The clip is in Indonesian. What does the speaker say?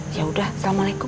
ya udah assalamualaikum